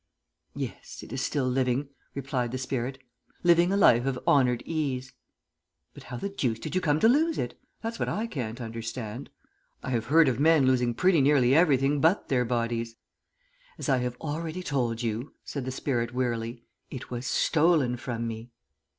"Yes, it is still living," replied the spirit. "Living a life of honoured ease." "But how the deuce did you come to lose it? that's what I can't understand. I have heard of men losing pretty nearly everything but their bodies." "As I have already told you," said the spirit, wearily, "it was stolen from me."